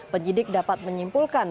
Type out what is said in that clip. penyidik dapat menyimpulkan